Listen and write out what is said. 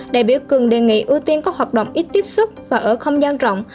đại biểu cường đề nghị ưu tiên các hoạt động ít tiếp xúc và ở không gian rộng